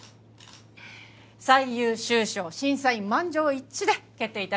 最優秀賞審査員満場一致で決定致しました。